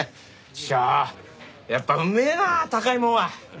ちくしょうやっぱうめえなあ高いもんは！